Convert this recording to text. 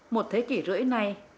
một thế kỉ rưỡi này